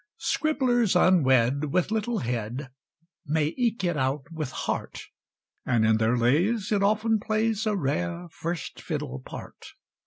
Scribblers unwed, with little head May eke it out with heart, And in their lays it often plays A rare first fiddle part.